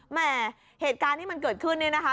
แล้วก็การที่มันเกิดขึ้นเนี่ยนะคะ